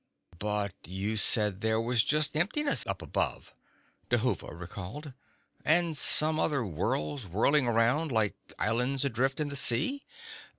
"But you said there was just emptiness up above," Dhuva recalled. "And some other worlds whirling around, like islands adrift in the sea."